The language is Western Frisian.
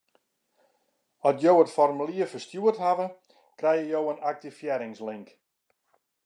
At jo it formulier ferstjoerd hawwe, krijge jo in aktivearringslink.